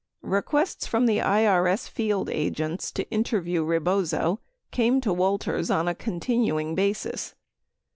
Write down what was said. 96 Requests from the IRS field agents to interview Rebozo came to Walters on a continuing basis.